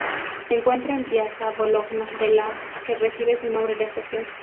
Se encuentra en Piazza Bologna, de la que recibe su nombre la estación.